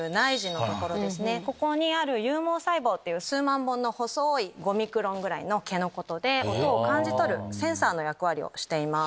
ここにある有毛細胞という数万本の細い５ミクロンぐらいの毛のことで音を感じ取るセンサーの役割をしています。